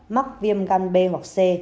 mắc viêm gan b hoặc c